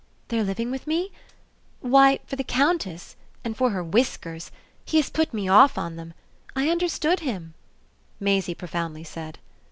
"Their living with me? Why for the Countess and for her whiskers! he has put me off on them. I understood him," Maisie profoundly said.